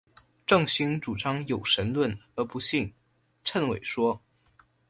郑兴主张有神论而不信谶纬说。